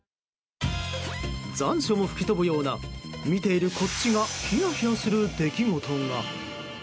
残暑も吹き飛ぶような見ているこっちがヒヤヒヤする出来事が。